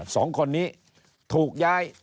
สองคนนี้ถูกย้าย